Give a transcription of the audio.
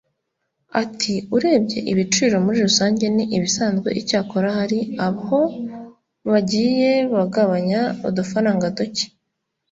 Ati “Urebye ibiciro muri rusange ni ibisanzwe icyakora hari aho bagiye bagabanya udufaranga duke